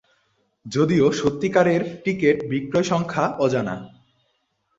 যদিও সত্যিকারের টিকেট বিক্রয় সংখ্যা অজানা।